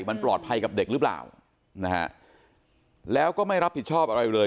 มันปลอดภัยกับเด็กหรือเปล่านะฮะแล้วก็ไม่รับผิดชอบอะไรเลย